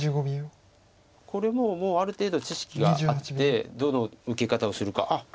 これももうある程度知識があってどの受け方をするか。